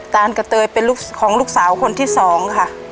ตานกะเตยเป็นลูกของลูกสาวคนที่สองค่ะ